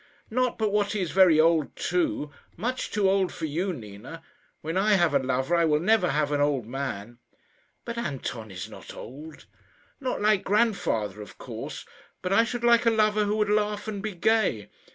"Not but what he is very old, too; much too old for you, Nina. When I have a lover I will never have an old man." "But Anton is not old." "Not like grandfather, of course. But I should like a lover who would laugh and be gay.